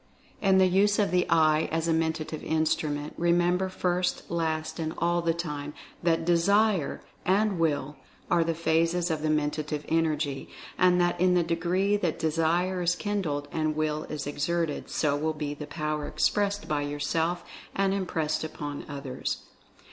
f In the use of the Eye as a Mentative Instrument, re member first, last, and all the time, that DESIRE and WILL are the phases of the Mentative Energy, and that in the degree that Desire is kindled, and Will is exerted, so will be the Power expressed by yourself, and impressed upon others.